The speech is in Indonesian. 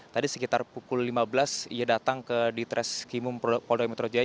tadi sekitar pukul lima belas dia datang ke ditres kimum poldai metro jaya